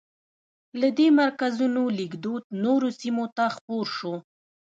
له دې مرکزونو لیکدود نورو سیمو ته خپور شو.